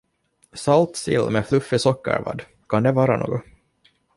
Salt sill med fluffig sockervadd, kan det vara något?